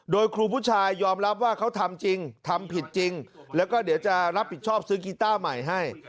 โดยครูผู้ชายยอมรับว่าเขาทำจริงทำผิดจริงแล้วก็เดี๋ยวจะรับผิดชอบซื้อกีต้าใหม่ให้